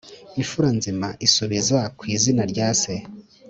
Imfura nzima isubiza ku izina rya se,